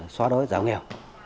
xóa đói giảm nghèo